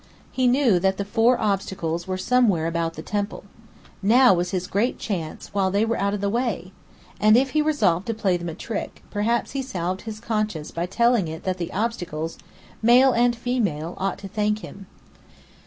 He knew that the four Obstacles were somewhere about the temple. Now was his great chance, while they were out of the way! And if he resolved to play them a trick, perhaps he salved his conscience by telling it that the Obstacles, male and female, ought to thank him.